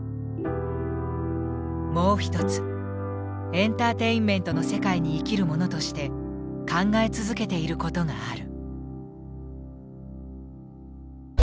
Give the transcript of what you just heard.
もう一つエンターテインメントの世界に生きる者として考え続けていることがある。